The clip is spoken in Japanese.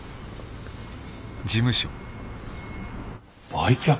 売却？